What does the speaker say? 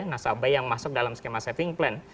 nasabah yang masuk dalam skema saving plan